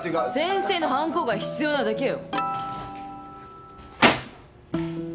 先生のハンコが必要なだけよ！